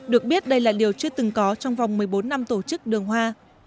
được biết đây là điều chưa từng có trong vòng một mươi bốn năm tổ chức đường hoa